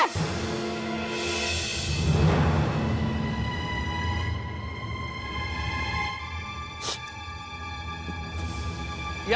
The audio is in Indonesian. bentar aku panggilnya